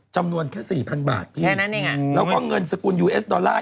จำนวนแค่สี่พันบาทพี่แล้วก็เงินสกุลยูเอสดอลลาร์